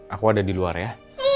aku ada di luar ya